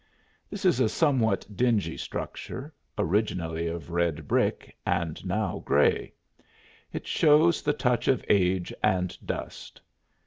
This is a somewhat dingy structure, originally of red brick and now gray. It shows the touch of age and dust.